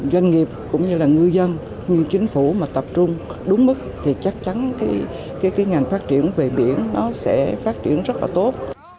doanh nghiệp cũng như là ngư dân như chính phủ mà tập trung đúng mức thì chắc chắn cái ngành phát triển về biển nó sẽ phát triển rất là tốt